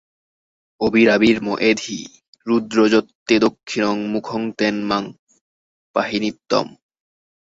আবিরাবির্ম এধি, রুদ্র যত্তে দক্ষিণং মুখং তেন মাং পাহি নিত্যম্।